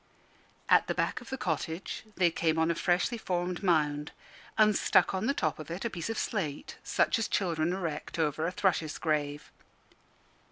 At the back of the cottage they came on a freshly formed mound, and stuck on the top of it a piece of slate, such as children erect over a thrush's grave.